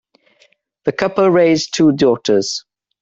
The couple raised two daughters.